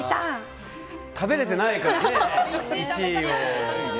食べれてないからね、１位を。